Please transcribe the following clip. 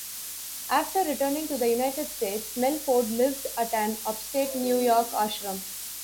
After returning to the United States, Melford lived at an upstate New York ashram.